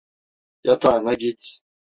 Yatağına git.